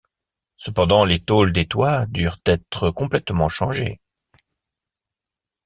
Cependant, les tôles des toits durent être complètement changées.